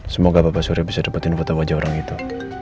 semoga papa surya bisa dapetin foto wajah orang itu